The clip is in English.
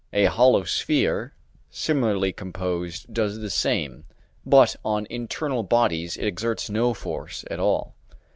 A hollow sphere, similarly composed, does the same, but on internal bodies it exerts no force at all.